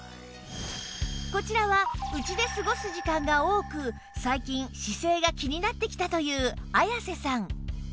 こちらは家で過ごす時間が多く最近姿勢が気になってきたという綾瀬さん